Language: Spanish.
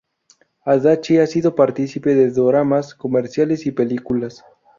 Adachi ha sido participe de doramas, comerciales y películas.